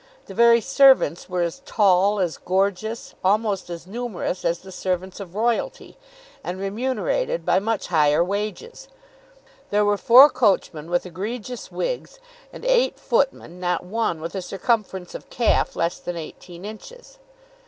The very servants were as tall, as gorgeous, almost as numerous, as the servants of royalty, and remunerated by much higher wages. There were four coachmen with egregious wigs, and eight footmen, not one with a circumference of calf less than eighteen inches.